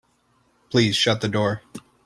Please shut the door.